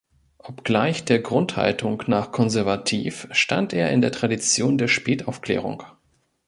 Obgleich der Grundhaltung nach konservativ, stand er in der Tradition der Spätaufklärung.